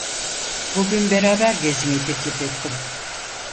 Bugün beraber gezmeyi teklif ettim…